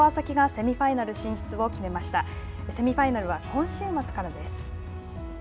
セミファイナルは今週末からです。